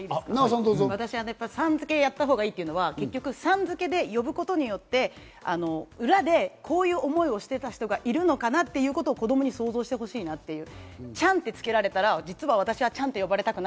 私は、さん付けやったほうがいいというのは結局、さん付けで呼ぶことによって、裏でこういう思いをしていた人がいるのかなっていうことを子供に想像してほしいなっていう。